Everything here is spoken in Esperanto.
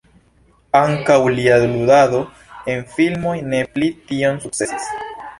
Ankaŭ lia ludado en filmoj ne pli tiom sukcesis.